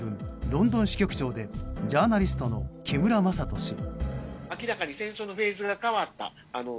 ロンドン支局長でジャーナリストの木村正人氏。